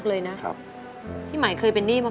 ขอเพียงคุณสามารถที่จะเอ่ยเอื้อนนะครับ